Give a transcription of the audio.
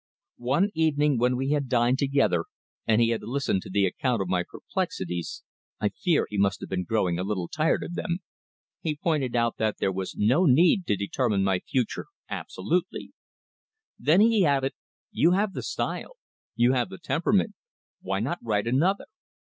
One evening when we had dined together and he had listened to the account of my perplexities (I fear he must have been growing a little tired of them) he pointed out that there was no need to determine my future absolutely. Then he added: "You have the style, you have the temperament; why not write another?"